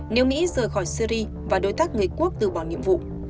nếu mỹ rời khỏi syri và đối tác người quốc từ bỏ nhiệm vụ